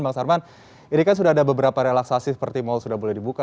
bang sarman ini kan sudah ada beberapa relaksasi seperti mal sudah boleh dibuka